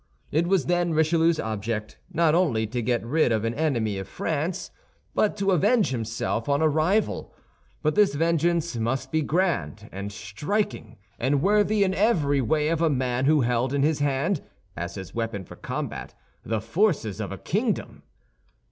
It was, then, Richelieu's object, not only to get rid of an enemy of France, but to avenge himself on a rival; but this vengeance must be grand and striking and worthy in every way of a man who held in his hand, as his weapon for combat, the forces of a kingdom.